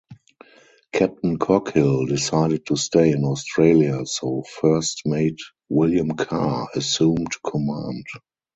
Captain Coghill decided to stay in Australia so First Mate William Carr assumed command.